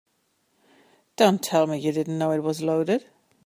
Don't tell me you didn't know it was loaded.